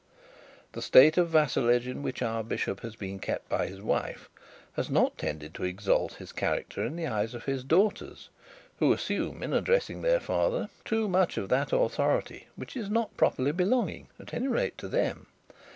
The state of vassalage in which our bishop had been kept by his wife has not tended to exalt his character in the eyes of his daughters, who assume in addressing their father too much of that authority which is not properly belonging, at any rate, to them.